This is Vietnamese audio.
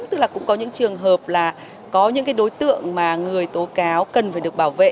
tức là cũng có những trường hợp là có những cái đối tượng mà người tố cáo cần phải được bảo vệ